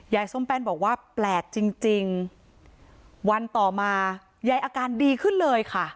ส้มแป้นบอกว่าแปลกจริงจริงวันต่อมายายอาการดีขึ้นเลยค่ะ